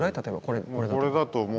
例えばこれだと。